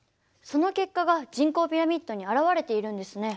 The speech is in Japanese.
その結果が人口ピラミッドに表れているんですね。